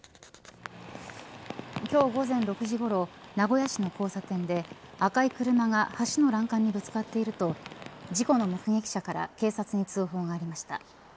今日午前６時ごろ名古屋市の交差点で、赤い車が橋の欄干にぶつかっていると事故の目撃者から警察に通報がありました。